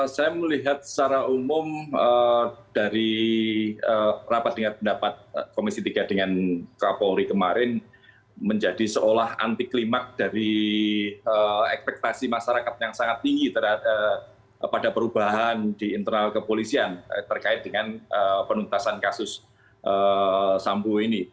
saya melihat secara umum dari rapat rapat komisi tiga dengan kapolri kemarin menjadi seolah anti klimat dari ekspektasi masyarakat yang sangat tinggi pada perubahan di internal kepolisian terkait dengan penuntasan kasus sambu ini